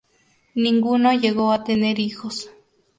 Ninguno llegó a tener hijos.